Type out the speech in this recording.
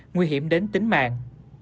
nguy hiểm đến tính mạng